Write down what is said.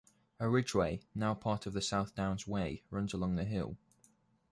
A ridgeway, now part of the South Downs Way, runs along the hill.